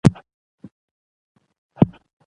د نن زیار د سبا راحت ده.